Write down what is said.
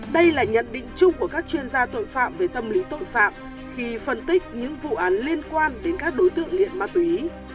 đây là nhận định chung của các chuyên gia tội phạm về tâm lý tội phạm khi phân tích những vụ án liên quan đến các đối tượng nghiện ma túy